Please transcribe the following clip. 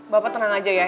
bapak tenang aja ya